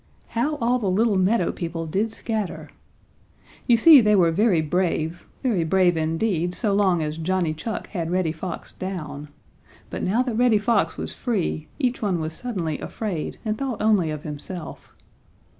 How all the little meadow people did scatter! You see they were very brave, very brave indeed, so long as Johnny Chuck had Reddy Fox down, but now that Reddy Fox was free, each one was suddenly afraid and thought only of himself.